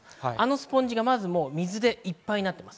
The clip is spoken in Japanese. スポンジが水でいっぱいになっています。